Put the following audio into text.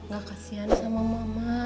gak kasihan sama mama